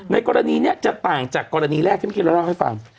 กรณีนี้จะต่างจากกรณีแรกที่เมื่อกี้เราเล่าให้ฟัง